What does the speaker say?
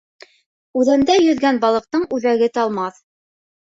Үҙәндә йөҙгән балыҡтың үҙәге талмаҫ.